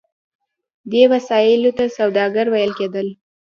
دې وسیلو ته سوداګر ویل کیدل.